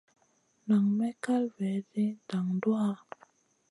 Nan may kal vaidi dan duwaha.